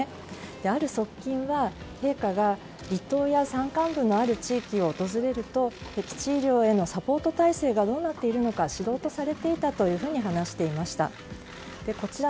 ある側近が、陛下が離島や山間部のある地域を訪れると僻地医療へのサポート体制はどうなっているのか知ろうとされていたというふうに話していました。